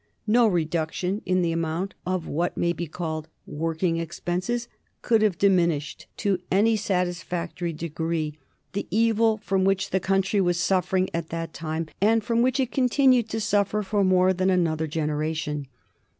No reduction in the amount of what may be called working expenses could have diminished, to any satisfactory degree, the evil from which the country was suffering at that time, and from which it continued to suffer for more than another generation.